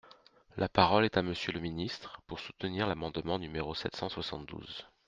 La parole est à Monsieur le ministre, pour soutenir l’amendement numéro sept cent soixante-douze.